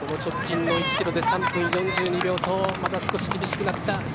１キロ３分４２秒とまた少し厳しくなった。